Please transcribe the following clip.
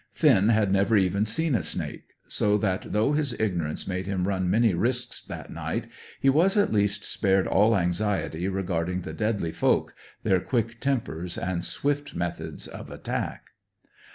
Finn had never even seen a snake; so that, though his ignorance made him run many risks that night, he was at least spared all anxiety regarding the deadly folk, their quick tempers and swift methods of attack.